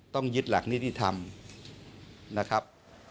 ต้องยึดหลักนิติธรรมนะครับ